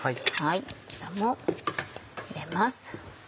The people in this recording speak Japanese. こちらも入れます。